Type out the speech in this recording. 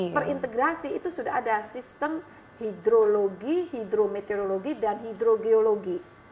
terintegrasi itu sudah ada sistem hidrologi hidrometeorologi dan hidrogeologi